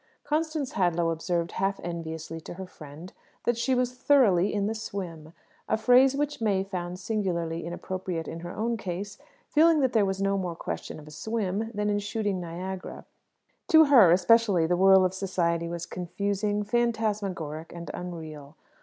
Constance Hadlow observed half enviously to her friend that she was thoroughly "in the swim," a phrase which May found singularly inappropriate in her own case, feeling that there was no more question of a swim than in shooting Niagara! To her, especially, the whirl of society was confusing, phantasmagoric, and unreal.